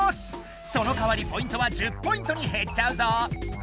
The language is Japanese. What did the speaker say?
そのかわりポイントは１０ポイントにへっちゃうぞ。